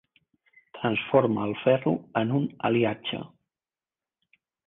Transforma el ferro en un aliatge.